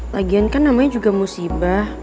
lagian kan namanya juga musibah